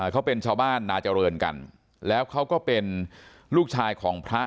เขาเป็นชาวบ้านนาเจริญกันแล้วเขาก็เป็นลูกชายของพระ